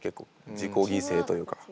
自己犠牲というか。